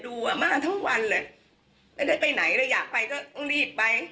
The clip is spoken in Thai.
อ่ะมาทั้งวันเลยไม่ได้ไปไหนเลยอยากไปก็ต้องรีบไป